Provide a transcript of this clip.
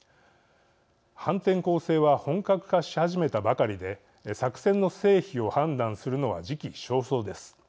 反転攻勢は本格化し始めたばかりで作戦の成否を判断するのは時期尚早です。